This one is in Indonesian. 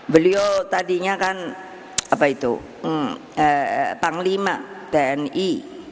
beliau tadinya kan apa itu panglima tni